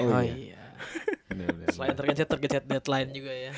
selain tergencet tergencet deadline juga ya